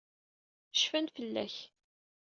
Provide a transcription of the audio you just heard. Cfan fell-ak.